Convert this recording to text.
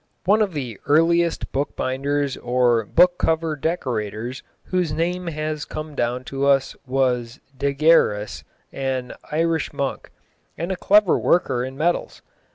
One of the earliest bookbinders or book cover decorators whose name has come down to us was Dagæus, an Irish monk, and a clever worker in metals.